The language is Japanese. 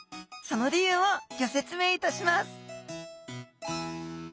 その理由をギョ説明いたします